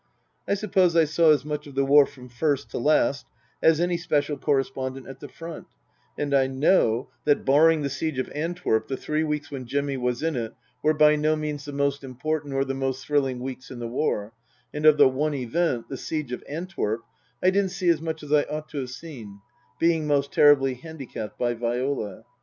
I suppose I saw as much of the War from first to last as any Special Correspondent at the front, and I know, that, barring the Siege of Antwerp, the three weeks when Jimmy was in it were by no means the most important or the most thrilling weeks in the war ; and of the one event, the Siege of Antwerp, I didn't see as much as I ought to have seen, being most terribly handicapped by Viola.